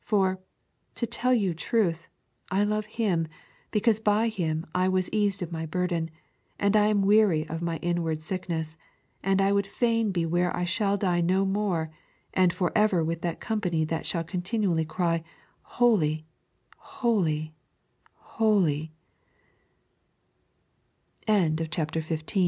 For, to tell you truth, I love Him, because by Him I was eased of my burden, and I am weary of my inward sickness; and I would fain be where I shall die no more, and for ever with that company that shall continually cry, Holy, holy, hol